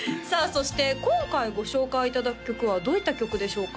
そして今回ご紹介いただく曲はどういった曲でしょうか？